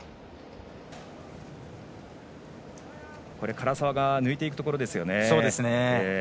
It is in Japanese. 唐澤が抜いていくところですね。